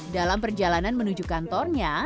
dalam perjalanan menuju kantornya